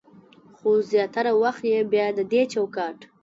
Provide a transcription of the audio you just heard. خو زياتره وخت يې بيا د دې چوکاټ